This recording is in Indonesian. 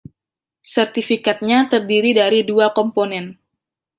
Sertifikatnya terdiri dari dua komponen.